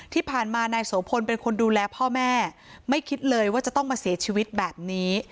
ที่ผ่านมานายโสพลเป็นคนดูแลพ่อแม่ไม่คิดเลยว่าจะต้องมาเสียชีวิตแบบนี้